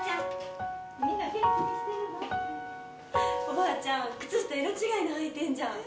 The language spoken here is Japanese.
おばあちゃん、靴下色違いの履いてんじゃん！